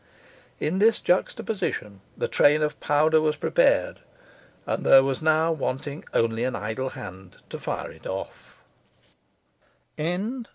In this juxtaposition, the train of powder was prepared; and there was now wanting only an idle hand to fire it off.